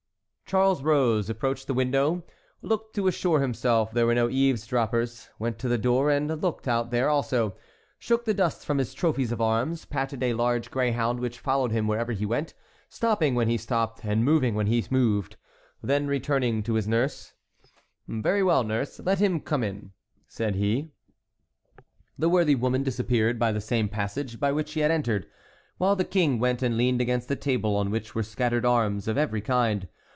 Charles rose, approached the window, looked to assure himself there were no eavesdroppers, went to the door and looked out there also, shook the dust from his trophies of arms, patted a large greyhound which followed him wherever he went, stopping when he stopped and moving when he moved,—then returning to his nurse: "Very well, nurse, let him come in," said he. The worthy woman disappeared by the same passage by which she had entered, while the king went and leaned against a table on which were scattered arms of every kind.